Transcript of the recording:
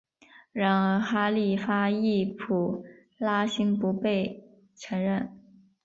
然而哈里发易卜拉欣不被承认。